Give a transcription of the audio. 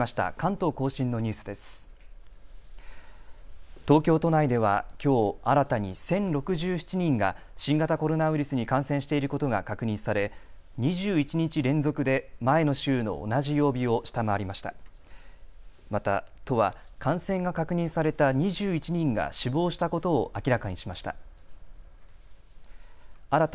東京都内では、きょう新たに１０６７人が新型コロナウイルスに感染していることが確認され２１日連続で前の週の同じ曜日を下回りました。